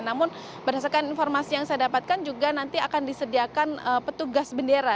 namun berdasarkan informasi yang saya dapatkan juga nanti akan disediakan petugas bendera